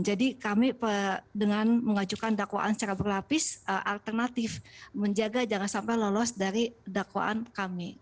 jadi kami dengan mengajukan dakwaan secara berlapis alternatif menjaga jangan sampai lolos dari dakwaan kami